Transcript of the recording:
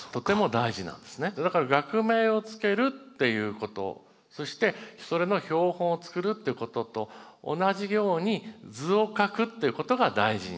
だから学名を付けるっていうことそしてそれの標本を作るっていうことと同じように図を描くっていうことが大事になるわけです。